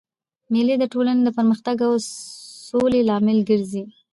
مېلې د ټولني د پرمختګ او سولي لامل ګرځي.